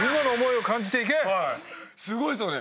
すごいっすよね。